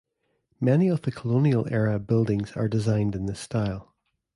Many of the colonial era buildings are designed in this style.